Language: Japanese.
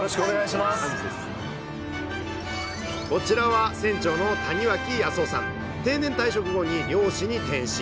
こちらは船長の定年退職後に漁師に転身。